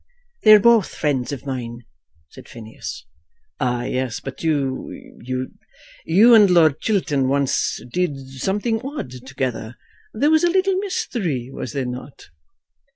"They are both friends of mine," said Phineas. "Ah, yes; but you, you, you and Lord Chiltern once did something odd together. There was a little mystery, was there not?"